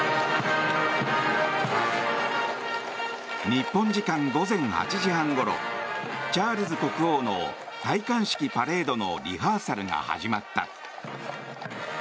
日本時間午前８時半ごろチャールズ国王の戴冠式パレードのリハーサルが始まった。